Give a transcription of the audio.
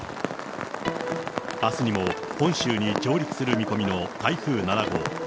あすにも本州に上陸する見込みの台風７号。